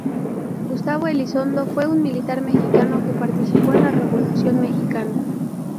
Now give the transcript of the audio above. Gustavo Elizondo fue un militar mexicano que participó en la Revolución mexicana.